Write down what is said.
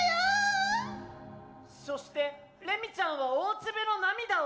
そしてれみちゃんは大粒の涙を。